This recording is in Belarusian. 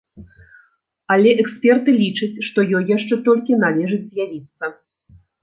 Але эксперты лічаць, што ёй яшчэ толькі належыць з'явіцца.